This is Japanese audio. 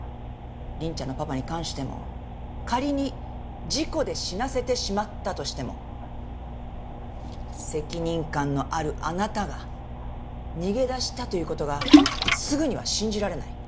凛ちゃんのパパに関しても仮に事故で死なせてしまったとしても責任感のあるあなたが逃げ出したという事がすぐには信じられない。